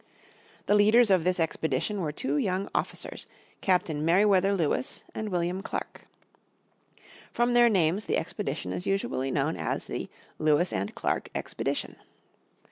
The leaders of this expedition were two young officers, Captain Merriwether Lewis and William Clark. From their names the expedition is usually known as the Lewis and Clark Expedition.